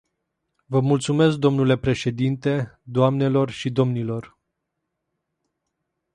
Vă mulțumesc dle președinte, doamnelor și domnilor.